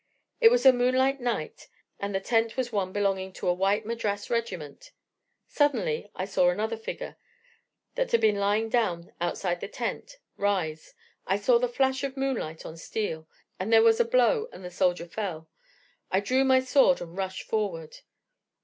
It was a moonlight night, and the tent was one belonging to a white Madras regiment. Suddenly, I saw another figure, that had been lying down outside the tent, rise. I saw the flash of the moonlight on steel; then there was a blow, and the soldier fell. I drew my sword and rushed forward.